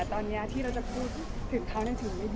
แต่ตอนนี้ที่เราจะพูดถึงเขาถึงไม่พอ